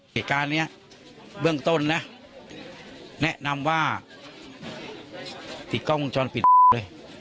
เหตุการณ์นี้เบื้องต้นนะแนะนำว่าติดกล้องวงจรปิดเลย